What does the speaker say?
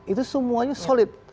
itu semuanya solid